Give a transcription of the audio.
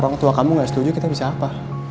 orang tua kamu gak setuju kita bisa apa